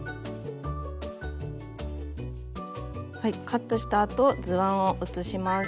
カットしたあと図案を写します。